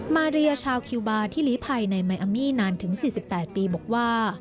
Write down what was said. มาเรียชาวคิวบาร์ที่หลีภัยในมายอามี่นานถึง๔๘ปีบอกว่า